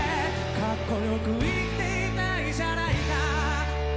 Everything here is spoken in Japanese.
「かっこよく生きていたいじゃないか」